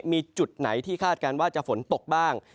มีจุดไหนที่คาดการณ์ว่าจะฝนตกบ้าง